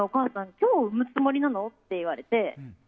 今日産むつもりなの？って言われて。